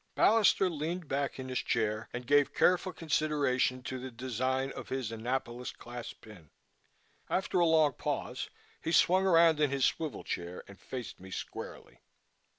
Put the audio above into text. Ballister leaned back in his chair and gave careful consideration to the design of his Annapolis Class pin. After a long pause, he swung around in his swivel chair and faced me squarely.